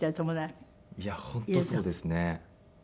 いや本当そうですね。